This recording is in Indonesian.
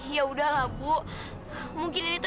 yaudahlah bu mungkin ini tuh